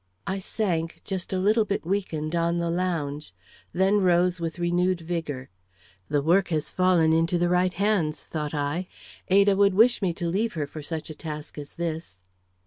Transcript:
I sank, just a little bit weakened, on the lounge, then rose with renewed vigor. "The work has fallen into the right hands," thought I. "Ada would wish me to leave her for such a task as this."